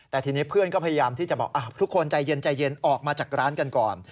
แต่ทีนี้เพื่อนก็พยายามที่จะบอกทุกคนใจเย็นใจเย็นออกมาจากร้านกันก่อน